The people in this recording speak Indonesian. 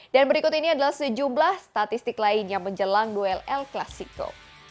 dan berikut ini adalah sejumlah statistik lain yang menjelang duel el clasico